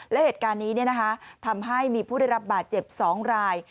และเหตุการณ์นี้เนี่ยนะคะทำให้มีผู้ได้รับบาดเจ็บสองราย